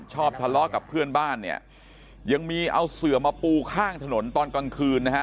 ทะเลาะกับเพื่อนบ้านเนี่ยยังมีเอาเสือมาปูข้างถนนตอนกลางคืนนะฮะ